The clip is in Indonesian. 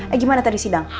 eh gimana tadi sidang